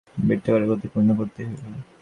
বৃত্তাকারে গতি পূর্ণ করিতেই হইবে।